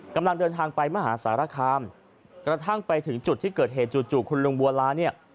กำลังเดินทางไปมหาสารคามกระทั่งไปถึงจุดที่เกิดเหตุจู่คุณลุงบัวลาเนี่ย